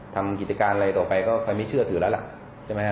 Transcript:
ทำกิจการอะไรต่อไปก็ใครไม่เชื่อถือแล้วล่ะใช่ไหมฮ